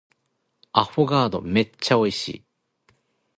アフォガードめっちゃ美味しい